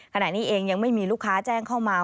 ขณะนี้เองยังไม่มีลูกค้าแจ้งเข้ามา